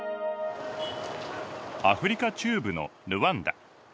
アフリカ中部のルワンダ。